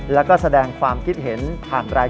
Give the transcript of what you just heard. แล้วก็แสดงความคิดเห็น